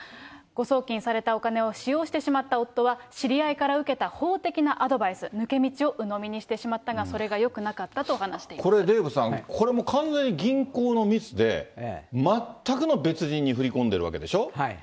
誤送金されたお金を使用してしまった夫は、知り合いから受けた法的なアドバイス、抜け道をうのみにしてしまったが、それがよくなかったと話していまこれ、デーブさん、これも完全に銀行のミスで、全くの別人に振り込んでるわけでしょ。